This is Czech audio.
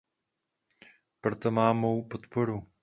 Proto má mou podporu.